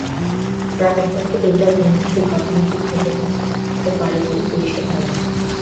রাত একটা থেকে তিনটার মধ্যে ঘটনাটি ঘটে থাকতে পারে বলে পুলিশের ধারণা।